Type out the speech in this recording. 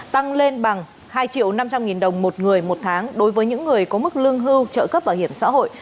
tăng lên bằng hai triệu năm trăm linh nghìn đồng một người một tháng đối với những người có mức lương hưu trợ cấp bảo hiểm xã hội